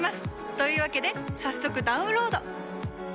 というわけで早速ダウンロード！